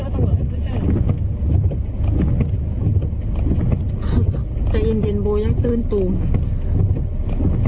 ไปเย็นเย็นโบยังตื่นตุ๋มอุ้ยอ่ะนี่เร็วมากอ่ะ